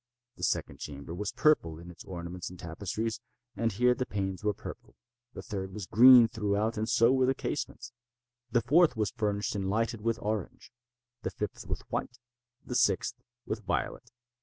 The second chamber was purple in its ornaments and tapestries, and here the panes were purple. The third was green throughout, and so were the casements. The fourth was furnished and lighted with orange—the fifth with white—the sixth with violet.